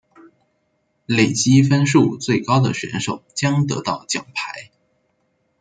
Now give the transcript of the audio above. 累积分数最高的选手将得到金牌。